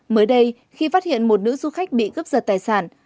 mới đây khi phát hiện một nữ du khách bị cướp giật tài sản